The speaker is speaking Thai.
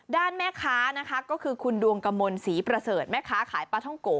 ด้านแม่ค้านะคะก็คือคุณดวงกมลศรีประเสริฐแม่ค้าขายปลาท่องโก